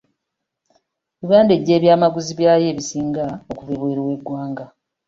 Uganda eggya ebyamaguzi byayo ebisinga okuva ebweru w'eggwanga.